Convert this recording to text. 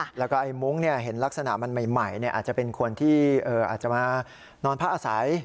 แล้วก็ไอ้มุ้งเห็นลักษณะมันใหม่อาจจะเป็นคนที่อาจจะมานอนพักอาศัย